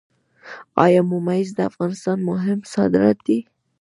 آیا ممیز د افغانستان مهم صادرات دي؟